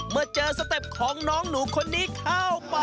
เมื่อเจอสเต็ปของน้องหนูคนนี้เข้ามา